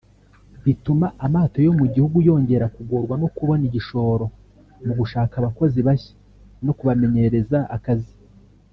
bituma amato yo mu gihugu yongera kugorwa no kubona igishoro mu gushaka abakozi bashya no kubamenyereza akazi